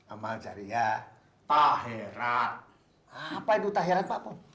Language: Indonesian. amal jariah taherat apa itu tak heret pak